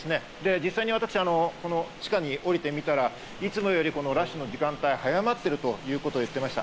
実際、私、地下に下りてみたら、いつもよりラッシュの時間帯が早まっているということを言っていました。